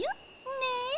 ねえ？